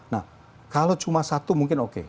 nah kalau cuma satu mungkin oke